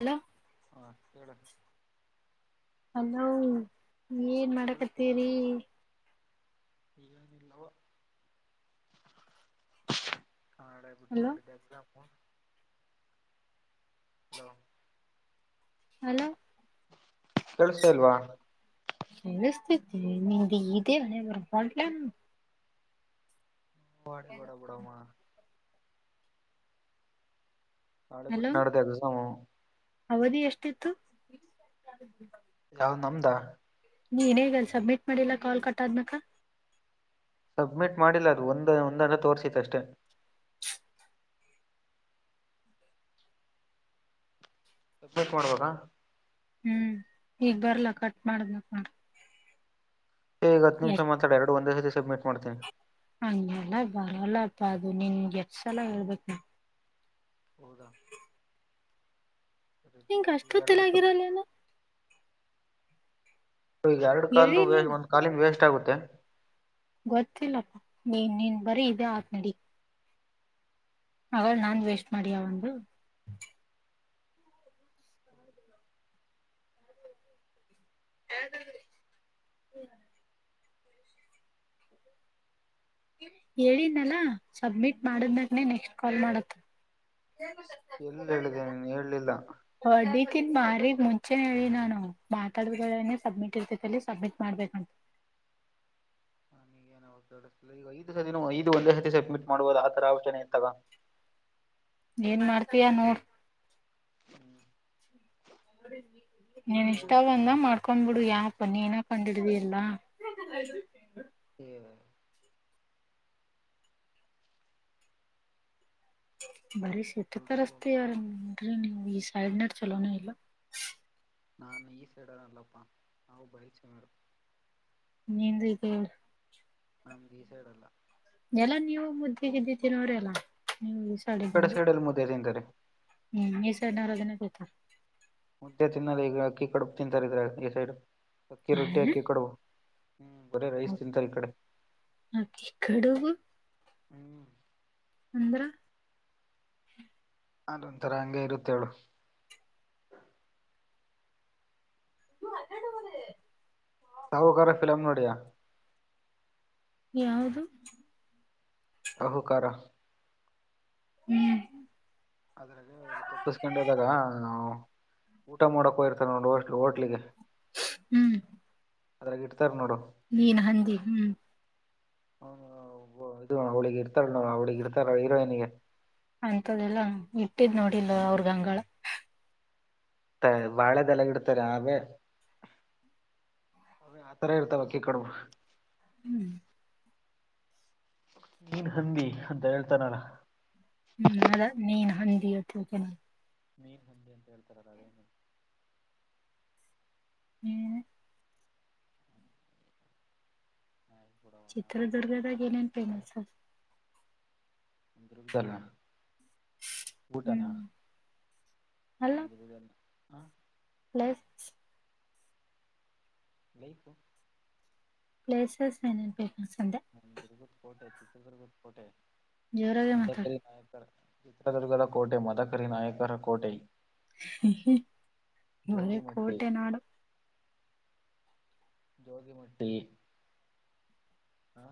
Hello ಹಾ ಕಕ್ಕೆ hello ಏನ್ ಮಾಡಕತ್ತೀರಿ ಈಗಲ್ಲವ ಹಾಡಬುಟ್ಟ ಹಲೋ ನಾಡಿದ್ದ ಹಲೋ ಹಲೋ ಕೆಳ್ಸ ಇಲ್ವಾ ಕೇಳ್ತೇತಿ ನಿ ಇದದೆ ಬರಕಲ ಬಡಿ ಬಡ ಬಡಾಮ ನಾಳೆ ಹಲೋ ಬಿಟ್ಟನಾಡು ದದುಸಾಮ ಅವಧಿ ಎಷ್ಟಿತ್ತು ಯಾವ ನಮ್ದ ನೀನ್ ಹೇಗಲ್ ಸಬ್ಮಿಟ್ ಮಾಡಿಲ್ಲಾ ಕಾಲ್ ಕಟ್ ಆದನಕ ಸಬ್ಮಿಟ್ ಮಾಡಿಲ್ಲ ಅದು ಒಂದ ಒಂದಲ್ಲ ತೋರ್ಸಿತ್ತು ಅಷ್ಟೆ ಎಕ್ ಮಾಡಡ್ಬದ ಹ್ಮ್ ಈಗ್ ಬರ್ಲ್ಲ ಕಟ್ ಮಾಡಬೇಕ ನ ಹೇಗ ಹತ್ತು ನಿಮಿಷ ಮಾತ್ರಡ ಎರಡು ಒಂದೇ ಸರ್ತಿ ಸಬ್ಮಿಟ್ ಮಾಡ್ತೀನಿ ಮ ಅದು ನಿನ್ ಎಷ್ಟ ಸಲ ಹೇಳ್ಬೇಕ ನೀ ಹದ ನಿನ್ಗೆ ಅಷ್ಟೊತ್ತಲಾಗಿರಲ್ಲೇನ ಈಗ ಎರಡು ಕಲ್ದು ಹೇಳಿನಿಲ್ಲ ಒಂದ್ ಕಾಲಿಗೆ ವೇಸ್ಟ್ ಆಗುತ್ತೆ ಗೊತ್ತಿಲ್ಲಪ್ಪಾ ನೀ ನೀನ್ ಬರೀ ಇದೆ ಆದ ನಡಿ ಹಾಗಲ್ಲ ನಾ ಈಗ ವೇಸ್ಟ್ ಮಾಡಿಯ ಒಂದು ಹ್ಮ ಹ್ಮ ಹೇಳನಲ್ಲ ಸಬ್ಮಿಟ್ ಮಾಡ್ಮಾಗನನೆ ನೆಕ್ಸ್ಟ್ ಕಾಲ್ ಮಾಡುತ್ತ ಎಲ್ಲಿ ಹೇಳಿದ್ದೇನೆ ನೀನು ಹೇಳೇಲಿಲ್ಲ ತ್ತನ್ ಬಾರಿ ಮುಂಚೆನೆ ಹೇಳಿ ನಾನು ಮಾತಾಡನೆ ಸಬ್ಮಿಟ್ ಇರ್ತೈತಿ ಅಲ್ಲಿ ಸಬ್ಮಿಟ್ ಮಾಡ್ಬೇಕಂತ [inaudible] ನನಗೇನು ಈಗ ಐದು ಸತ ಐದು ಒಂದೇ ಸತಿ ಸಬ್ಮಿಟ್ ಮಾಡುವುದು ಆ ತರ ಆಚನೆ ಎಂತಾಗ ಏನ್ ಮಾಡ್ತಯಾ ನೋಡ್ ಹ್ಮ್ ನೀನ್ ಇಷ್ಟ ಬಂದ ನಾಳೆ ಮಾಡ್ಕೊಂಡ್ ಬಿಿಡು ಯಾ ಅ ನೀನ ಕೊಂಡಡದ ಎಲ್ಲ ಹ್ಮ ಬರಿ ಶೇತತ ರಸ್ತತೆ ಯಾರ ಅೆ ನೀವು ಈ ಸೈಡ್ನ ಚಲೋನೇ ಇಲ್ಲ ನಾನು ಈ ಸೈಡಲ್ಲ ಇಲ್ಲಪ್ಪಾ ನಾವು ಬರಿಚವರ ನೀಂದ ಕಳ್ ನಮ್ ಜ ಈ ಸ ಇಡಲ್ಲ ಎಲ್ಲಾ ನೀವು ಮುದ್ದಿಗೆ ಇದ್ದಿದ್ದೀರ ಅವ್ರಲ್ಲಾ ನೀವು ಈ ಸಡ ಕಡೆ ಬಂದು ಸೈಡಲ್ಲಿ ಮುದ್ದೆ ತಿಂತಾರೆ ಹ್ಮ್ ಈ ಸಡಿನವ್ರ ಅದನ್ನೇ ಕತಾರ ಮುದ್ದೆ ತಿನ್ನಲು ಈ ಅಕ್ಕಿ ಕಡುಬು ತಿಂತಾರ್ರ ಈ ಸೈಡ್ ಅಕ್ಕಿ ರೊಟ್ಟಿ ಅಕ್ಕಿ ಕಡುಬು ಹ್ಮ್ ಬರೇ ರೈಸ್ ತಿಂತ ಇ ಕಡೆ ಆಕಿ ಕಡುಬು ಹ್ಮ್ ಅಂದ್ರ ಅದೊಂತರ ಹಂಗೆ ಇವತ್ತೇಳು ಸಾಹುಕರ ಫಿಲಂ್ ನೋಡಿಯಾ ಯಾವದು ಅಹು ಕಾರ ಹ್ಮ್ ಅದ್ರಾಗ ಅವರು ತಪ್ಪಿಸ್ಕೊಂಡು ಹೋದಾಗ ಊಟ ಮಾಡಕ್ ಹೋಗಿರ್ತಾರೆ ನೋಡಿ ಹೋಟ್ ಹೋಟ್ಲಿಗೆ ಹ್ಮ್ ಅದ್ರ ಇಡ್ತಾರೆ ನೋಡು ನೀೀನ ಹಂತ ಹ್ಮ್ ಹ ಇದು ಅವಳಿಗೆ ಇತಾರ ಅವಳಿಗೆ ಇತಾರ ಹೀರೋನಿಗೆ ಅಂತದೆ ಎಲ್ಲ ಇಟ್ಟಿದ್ ನೋಡಿಲ್ ಅವ್ರಗ ಅಂಗಗಳ ಬಾಳೆದೆಲ್ಲಗ ಇಡ್ತಾರೆ ಆೇ ಅವ ಆತರ ಇರ್ತಾವ ಕೀ ಕಡ ಹ್ಮ್ ನೀನ್ ಹಂದಿ ಅಂತ ಹೇಳ್ತಾನಲ್ಲ ಹಂದ ಅತ್ತುಕ ಮೀ ಹಂದ ಅಂತ ಎತರ ಕನೆ ಹ್ಮ ಹ್ಮ ಚಿತ್ರದುರ್ಗದ ಗನೆ ಪನ್ಸರ್ ಅ್ದ ಊಟನಾ ಹ್ಮ್ ಅಜದಲ್ಲ ನ್ಲಸ್ ನೀ ಹ ಪ್ಲೇಸಸ್ ಮನ ದುರ್ಗತ್ ಕೋಟೆ ಚಿತ್ರದುರ್ಗತ್ ಕೋಟೆ ಜೋರಾಗೆ ಮಾತಾಡ ಮದಕರಿ ನಾಯಕ ಚಿತ್ರದುರ್ಗದ ಕೋಟೆ ಮದಕರಿ ನಾಯಕರ ಕೋಟೆ ಒರ ಜೋಗಿಮಟ್ಟಿ ಕೋಟೆ ನಾಡ ಜ್ಯೋತಿಮಟ್ಟಿ ಹಾ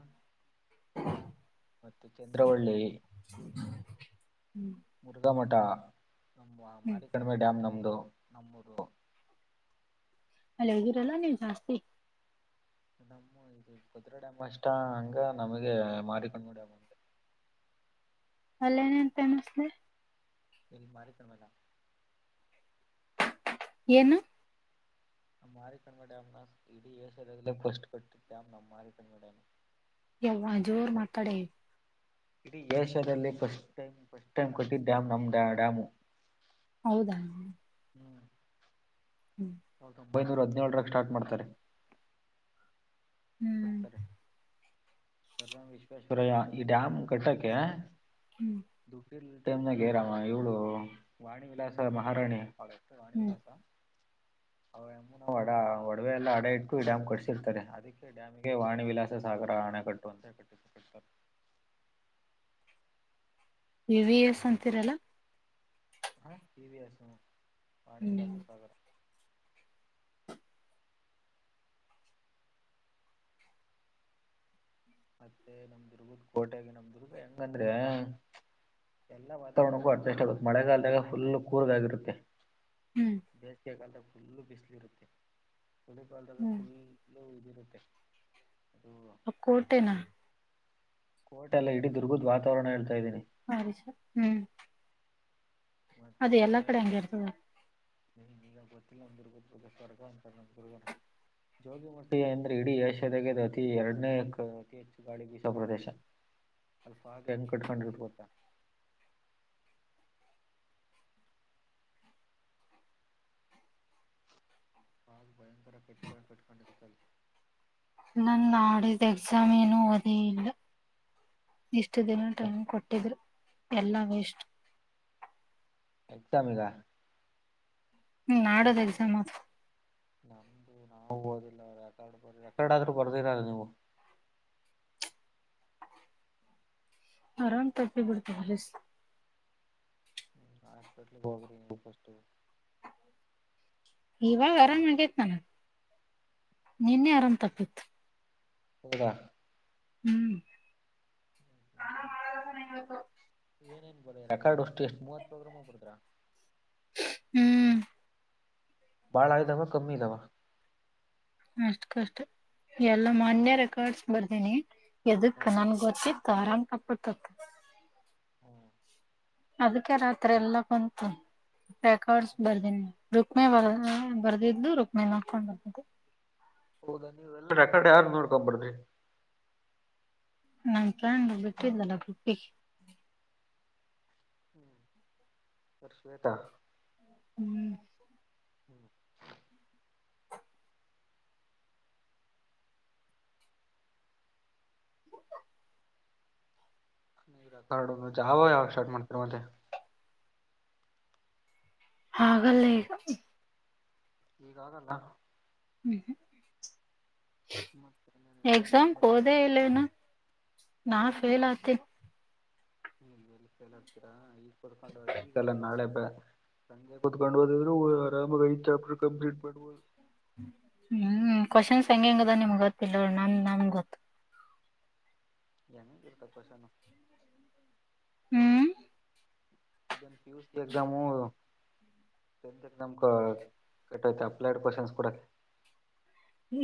ಹ ಮತ್ತೆ ಚಂದ್ರವಳ್ಳಿ ಹ್ಮ್ ಮುರುಘಾ ಮಠ ನಮ್ಮ ಹ್ಮ್ ಮಾರಿಕಡಿಮೆ ಡ್ಯಾಮ್ ನಮ್ಮ ಎಂದೋ ನಮ್ಮೂದೋ ಅಲ್ಲ ಹ್ದಿರಲ್ಲ ನೀವ್ ಜಾಸ್ತಿ ನಮ್ಮ ಇದು ಕುದ್ರಾ ಡ್ಯಾಮ್ ಅಷ್ಟ ಹಂಗ ನಮಗೆ ಮಾರಿಕೊಂಡ ಡ್ಯಾಮ್ ಅಂದ [unintelligible] ಅಲ್ಲನ ಎನ್ ಫೇಮಸ್ಲಿ ಎಲ್ಲಿ ಮಾಡಾರ ತಮದಾ ಏನು ನಮ ಮಾರಿ ಕಣ್ಮಡ್ಯ್ನ ಇಡೀ ಸ ಕಷ್ಟಪಟ್ಟಿರ್ತ ನಮ ಮಾರಿ ಕಣ್ಮಡಾನ ಯ ಜೋರ್ ಮಾತಾಡೆ ಇಡೀ ಏಷ್ಯಾದಲ್ಲಿ ಫಸ್ಟ್ ಟೈಮ್ ಫಸ್ಟ್ ಟೈಮ್ ಕಟ್ಟಿದ್ದ ಡ್ಯಾಮ್ ನಮ್ ಡ್ಯಾಮು ಹೌದಾ ಹೌ ಒಂಬೈನೂರ ಹದಿನೇಳರ ಸ್ಟಾರ್ಟ್ ಮಾಡ್ತಾರೆ ಹ್ಮ್ ಕೊಡ್ತಾರೆ ಸಾಮ್ ವಿಶ್ವೇಶ್ವರಯ್ಯ ಈ ಡ್ಯಾಮ್ ಕಟ್ಟಕ್ಕೆ ಹ್ಮ್ ಇಲ್ ಟೈಮ್ನಾಗರಾಮ ಇವಳು ವಾಣಿ ವಿಲಾಸ ಮಹಾರಾಣಿ ಹ್ಮ್ ವಾಣಿಲಸ ಅವ ಎಮ್ಮನ ಒಡ ಒಡವೆ ಎಲ್ಲ ಹಡ ಇಟ್ಟು ಡ್ಯಾಮ್ ಕಟ್ಸಿರ್ತಾರೆ ಅದಕ್ಕೆ ಡ್ಯಾಮಗೆ ವಾಣಿ ವಿಲಾಸ ಸಾಗರ ಹಣ ಕಟ್ಟ ಕಟ್ಟ ವಿ ವಿ ಎಸ್ ಅಂತಿರಲ್ಲ ಹಾ ವಿ ಅ ಪಾಣ ಹ್ಮ್ ವಿಲ್ಲಸ ಸಗರ ಮತ್ತೆ ನಮ್ ದುರ್ಗದ ಕೋಟೆಗೆ ನಮ್ ದುರ್ಗ ಹೆಂಗಂದ್ರೆ ಎಲ್ಲಾ ವಾತಾವರಣಕ್ಕೂ ಅಡ್ಜಸ್ಟ್ ಆಗುತ್ತೆ ಮಳೆಗಾಲದಾಗ ಫುಲ್ ಕೂರ್ಗಾಗಿರುತ್ತೆ ಹ್ಮ್ ಬೇಸಿಗೆ ಕಾಲದ ಫುಲ್ಲು ಬಿಸಿಲು ಇರುತ್ತೆ ಕಾಲದಾಗ ಹ್ಮ್ ಕುಿ ಹದಿರುತ್ತೆ ಹ ಕೋಟೆನಾ ಕೋಟ್ೆ ಎಲ್ಲಡ ದುರ್ಗದ್ ವಾತಾವರಣ ಹೇಳ್ತು ಹರಿಷ ಹ್ಮ್ ಅದೇ ಎಲ್ಲಾ ಕಡೆ ಹಂಗಗೆ ಇರ್ತದೆ ನೀ ನೀಗತ್ತ ಅಂದಗ ತಗರ್ಗ ಜೋಗಿಮಟ್ಟಿ ಅಂದ್ರೆ ಇಡೀ ಏಷ್ಯ ತೆಗೆದು ಅತಿ ಎರಡನೇ ಅತಿ ಹೆಚ್ಚು ಗಾಡಿ ಬೀಸ ಪ್ರದೇಶ ಅಲ್ಪ ಕೆ ಹೆಂಗ ಕಟ್ಕೊಂಡಿರ್ತ ಗತ್ತ ಪಾಲ್ ಭಯಂಕರ ಕಿಟ್ಕ ಕಟ್ಕೊಂಡ ಇಡ್ತ ನನ್ ಆಾಡಿದ ಎಕ್ಸಾಮ್ ಏನುೂ ದಿ ಇಲ್ಲ ಇಷ್ಟು ದಿನ ಟ್ರೈಮ್ ಕೊಟ್ಟಿದ್ರೆ ಎಲ್ಲ ವೇಸ್ಟ್ ಎಕ್ಸಾಮಗ ಹ್ಮ್ ನಾಡೋದ ಎಕ್ಸಾಮ ನಮ್ದು ನಾವು ಓದಿಲ್ಲ ರೆಕಾರ್ಡ್ ಬ ರೆಕಾರ್ಡ್ ಆದ್ರೂ ಬರ್ದಿರಲ್ಲ ನೀವು [unintelligible] ಆರಾಮ್ ತಪ್ಪಿ ಬಿಡ್ತ ಹ್ಮ ಹಾಸ್ಪಿಟಲ್ಮ [inaudible] ಫಸ್ಟ್ ಇವಾಗ ಆರಾಮ್ ಆಗೇತ್ ನನಗ್ ನಿನ್ನೆ ಆರಾಮ್ ತಪ್ಪಿತ್ತು ಹೌದಾ ಹ್ಮ್ ಏನೇನ್ ಬಡ ರೆಕಾರ್ಡ್ ಅಷ್ಟು ಎಷ್ಟ್ ಮೂವತ್ ರ್ರ ಹೋಗ್ಬಡುದ್ರ [inaudible] [inaudible] ಹ್ಮ್ ಭಾಳ ಇದ್ದಾವ ಕಮ್ಮಿ ಇದ್ದಾವ ಅಷ್ಟ ಕಷ್ಟ ಎಲ್ಲ ಮಾನ್ಯ ರೆಕಾರ್ಡ್ಸ್ ಬರ್ದೀನಿ ಎದಕ್ ನನ್ ಗೊತ್ತಿತ್ತು ಆರಾಮ್ ಕಬಡ್ತತ್ತು ಹ್ಮ ಅದ್ಕ್ ರಾತ್ರಿ ಎಲ್ಲಾ ಬಂತು ರೆಕಾರ್ಡ್ಸ್ ಬರ್ದೀನಿ ರುಕ್ಮಿ ಬರ್ದಿದ್ಲು ರುಕ್ಮಿ ನೋಡ್ಕೊಂಡ್ ಬರ್ತಿ [unintelligible] ರೆಕಾರ್ಡ್ ಯಾರು ನೋಡ್ಕೊಬಡ್ದ್ರಿ ನನ್ ಫ್ರೆಂಡ್ ಬಿಟ್ಟಿದ್ದಲ್ಲ ಬಿಟ್ಟಿ ಹ್ಮ್ ತರ್ಶೇತಾ ಹ್ಮ್ ಹ್ಮ್ ಕಾರ್ಡ್ ಯಾವ ಯಾವ ಶ್ಟಾರ್ಟ್ ಮಾಡ್ತಾರೆ ಮತ್ತೆ ಹಾಗಲ್ಲ ಈಗ ಈಗ ಆ ಗಲ್ಲಾ ಹ್ಮ್ ಹ್ಮ ಮ ನ ಗ ಮ ಹೋದೇ ಬರಬೇಕುಡ ಇಲ್ಲೇನು ನಾ ಫೇಲ್ [inaudible] ಆತೀನಿ ಹ್ಮ ಎಲ್ಲಿ ಕೇಳಾಡ್ತೀರಾ ಈಗ ಕುರ್ಕೊಂಡ ಈಗಲ್ಲ ನಾಳೆ ಬ [unintelligible] ಕತ್ಕೊಂಡ್ ಬದಿದ್ರು ಆರಾಮಾಗಿ ಐ ಚಾಪ್ಟರ್ ಕಂಪ್ಲೀಟ್ ಮಾಡ್ಬಹುದು ಹ್ಮ್ ಕ್ವನ್ ಹಂಗಿಂಗದ ನಿಮ್ಗ್ ಗೊತ್ತಿಲ್ಲರು ನಮ ನಮ ಗೊತ್ತು ನ ಇತ ಕಷನ [inaudible] ಹ್ಮ್ ಪಿ ಯು ಸಿ ಎಗ್ಜಾಮ ನಮ ಕೆಟ್ಟಯತ ಅಪ್ಲೈಡ್ ಪರ್ಸನ್ಸ್ ಕೂಡ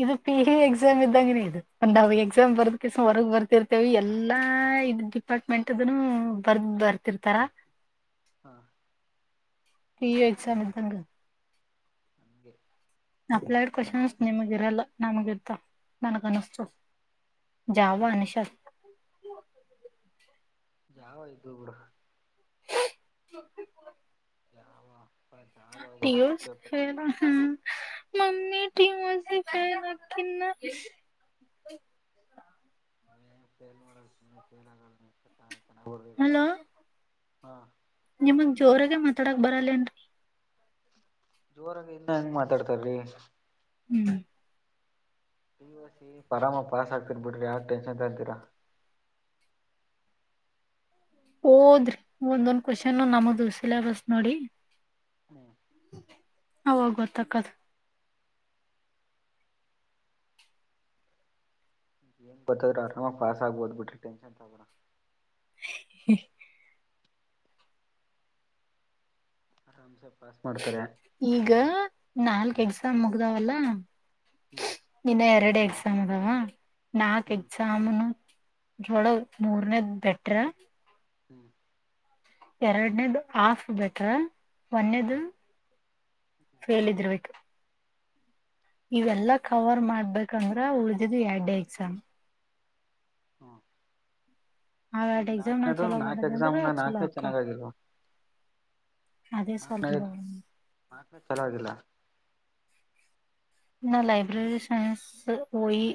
ಇದು ಪಿಹ ಎಕ್ಸಾಮ್ ಇದ್ದಂಗನ ಇದು ನಾವವು ಎಕ್ಸಾಮ್ ಬರ್ದಕಸ ಹೊರಗ್ ಬರ್ತಿರ್ತೇವಿ ಎಲ್ಲಾ ಇದು ಡಿಪಾರ್ಟ್ಮೆಂಟ್ ಅದನು ಬರ್ದ ಬರ್ತಿರ್ತಾರ ಹಾ ಎಕ್ಸಾಮ ಇದ್ದಂಗ ನಿಗೆ ಅಪ್ಲಡ್ ಕವಷನ್ ನಿಮಗೆರಲ್ಲ ನಾಮಗೆತ್ತ ನನ್ ಅನಿಸ್ತ ಜಾವ ನಿಶ [unintelligible] ಯಾವ ದುಬ್ರು ಶತಿಪು ಯಾವ ಹ ಹೇಳ ಮಮ್ಮಿ ಟೀಮ್ ಒಂದ ಸಲ ಫೇಲ್ ಅಕಿನಾ [inaudible] ಹಲೋ [inaudible] ಹಾ [unintelligible] ನಿಮಗ್ ಜೋರಾಗಿ ಮಾತಾಡಕ್ ಬರಲ್ಲೇನ್ರರಿ? [unintelligible] ಜೋರಾಗಿ ಇನ್ನ ಹೆಂಗ್ ಮಾತಾಡ್ತಾರ್ರಿ. [unintelligible] ಹು [unintelligible] [inaudible] ಪಿಯುಸಿ ಪರಾಮ ಪಾಸ್ ಆಗ್ತಿರ್ ಬಿಡ್ರಿ ಯಾಕ ಟೆನ್ಶನ್ ತಗೋತೀರಾ? [unintelligible] ಓದ್ರಿ ಒಂದೊಂದ್ ಕ್ವಶನ್ ನಮದು ಸಿಲ್ಯಾಬಸ್ ನೋಡಿ. [unintelligible] ಹ [unintelligible] ಅವಾಗ ಗೊತ್ತಕ್ಕದ. [unintelligible] ಬತ್ತದ್ರರು ಆರಾಮ ಪಾಸ್ ಆಗ್ಬೋದು ಬಿಟ್ರಿ ಟೆನ್ನ್ ತಗ್ರ ಹ ಹಂ ಸ [inaudible] ಈಗ ನಾಲ್ಕ್ ಎಕ್ಸಾಮ್ ಮುಗ್ದಾವಲ್ಲ? ಹ್ಮ್ [unintelligible] ಇನ್ನ ಎರಡು ಎಕ್ಸಾಮ್ ಅದಾವ ನಾಕ್ ಹ್ಮ್ ಎಕ್ಸಾಮ್ನ [unintelligible] ಇದರ ಒಳಗ ಮೂರ್ನೇದ ಬೆಟ್ರ, [unintelligible] ಹು [unintelligible] ಎರಡನೇದು ಆಫ್ ಬೇಟರ ಒನ್ನೇದ [unintelligible] ಫೇಲ್ ಇದರ್ ಬೇಕ್ [unintelligible] ಇವೆಲ್ಲಾ ಕವರ್ ಮಾಡ್ಬೇಕಂದ್ರ ಉಳ್ದಿದ್ದು ಎರಡೇ ಎಕ್ಸಾಮ್. [unintelligible] ಹ [unintelligible] ಆ ಈಗ ಎರಡ್ ಎಕ್ಸಾಮ್ ನಾ ನಾಲ್ಕನೇದು ಚಲೋ ನಾಲ್ಕು ಮಾಡದಂದ್ರ ಎಕ್ಸಾಮ್ ನ ಚಲೋ ನಾಲ್ಕನೇದ ಅಕ್ಕ ಚೆನ್ನಾಗಾಗಿಲ್ವ. [unintelligible] ಅದೇ ಸ್ವಲ್ಪ ಬ [unintelligible] ನಂದ ಚೋಲ ಆಗಿಲ್ಲ. [unintelligible] ನಾ ಲೈಬ್ರರಿ ಸೈನ್ಸ್ ಓಯಿ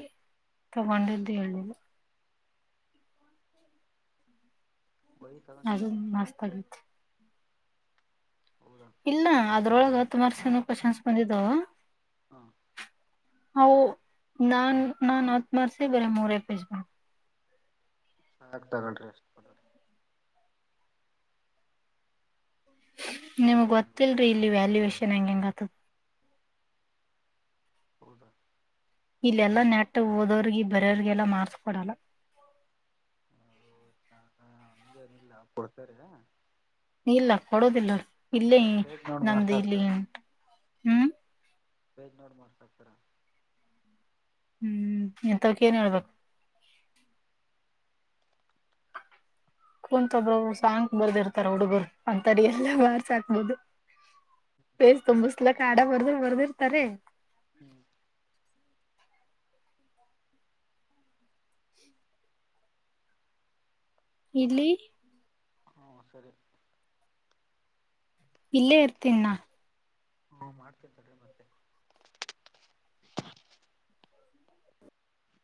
ತೂಗೊಂಡಿದ್ದ ಹೇಳಲಿಲ್ಲ. [unintelligible] ಒಯಿ ತಗೊಂಡಿದ್ದು ಅದು ಮಸ್ತ್ ಆಗಿತಿ. [unintelligible] ಹೌದಾ ಇಲ್ಲ ಅದ್ರೊಳಗ ತುಮಾರ್ಸ ನು ಕೋಶನ್ ಬಂದಿದ್ದವೂ, [unintelligible] ಹಾ [unintelligible] ಹೌ ನಾನ್ ನಾನ್ ಹತ್ತ ಮಾರ್ಕ್ಸ್ ಗೆ ಮೂರೆ ಪೇಜ್ ಬ [unintelligible] ಆಯತ್ತ ತೊಗೊಳ್ರಿ. [unintelligible] ನಿಮ್ಗ್ ಬೇಜಾನ ಗೊತ್ತಲ್ರಿರಿ ಇಲ್ಲಿ ವ್ಯಾಲ್ಯೂಯೇಶನ್ ಹೆಂಗೆ ಹೆಂಗ ಆಗತವಾ [unintelligible] ಹೌದಾ [unintelligible] ಇಲ್ಲೆಲ್ಲಾ ನೆಟ್ ಓದೋರ್ಗ ಬರವ್ರಿಗೆಲ್ಲ ಮಾರ್ಕ್ಸ್ ಕೊಡಲ್ಲ. [unintelligible] ಹಂಗ ಹಂಗನಿಲ್ಲ ಕೊಡ್ತಾರಿ. [unintelligible] ಇಲ್ಲ ಕೊಡೋದಿಲ್ಲ ಇಲ್ಲೇ ಪೇಜ್ ನೋಡ್ ನಮ್ದ ಮಾರ್ಕ್ಸ್ ಇಲ್ಲಿ ಹಾಕ್ತಾರ ಹು [unintelligible] ಪೇಜ್ ನೋಡಿ ಮಾಡ್ತಾತಾರ. [unintelligible] ಹು ಇಥವಕ ಏನ್ ಹೇಳಬೇಕ. [unintelligible] ಕುಂತ ಒಬವ್ವ ಸಾಂಗ್ ಬರೆದಿರತ್ತಾರ ಹುಡುಗರು ಹಂತವರಿಗೆಲ್ಲ ಮಾರ್ಕ್ಸ್ ಆಕ್ಬೋದು. [unintelligible] ಪೇಜ್ ತಂಬಿಸಲಕ್ ಹಾಡ ಬರದ ಬರ್ದ ಬರ್ದಿರ್ತಾರೆ. [unintelligible] ಹು [unintelligible] ಇಡ್ಲಿ. [unintelligible] ಹೂ ಸರಿ. [unintelligible] ಇಲ್ಲೇ ಇರ್ತೀನ್ ನಾ? [unintelligible] ಹೂ ಮಾಡ್ತೀನ ತಡಿ ಮತ್ತೆ. [unintelligible]